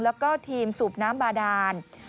แล้วก็ทีมสูบน้ำบาดาน